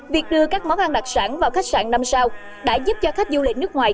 việc đưa các món ăn đặc sản vào khách sạn năm sao đã giúp cho khách du lịch nước ngoài